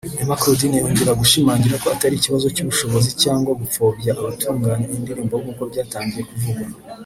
Emma Claudine yongera gushimangira ko atari ikibazo cy’ubushobozi cyangwa gupfobya abatunganya indirimbo nk’uko byatangiye kuvugwa